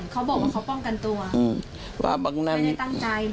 เขาบอกว่าเขาป้องกันตัวว่าไม่ได้ตั้งใจนะ